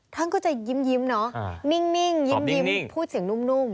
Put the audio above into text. ท่านก็จะยิ้มเนอะนิ่งยิ้มพูดเสียงนุ่ม